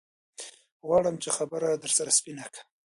غواړم چې خبره ورسره سپينه کم.